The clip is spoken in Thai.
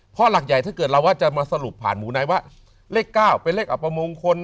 เพราะหลักใหญ่ถ้าเกิดเราว่าจะมาสรุปผ่านหมูไนท์ว่าเลข๙เป็นเลขอัปมงคล